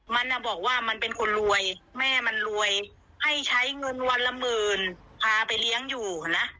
มันบอกว่ามันเป็นคนรวยแม่มันรวยให้ใช้เงินวันละหมื่นพาไปเลี้ยงอยู่นะ